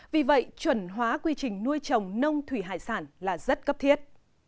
vì vậy chuẩn hóa quy trình nuôi trồng nông thủy hải sản là rất cấp thiết